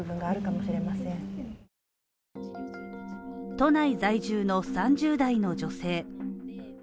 都内在住の３０代の女性。